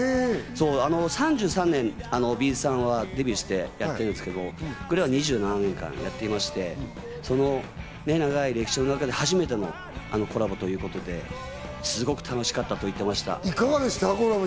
３３年、Ｂ’ｚさんはデビューしてやってるんですけど、ＧＬＡＹは２７年間やってまして、長い歴史の中で初めてのコラボということで、すごく楽しかったと言ってました。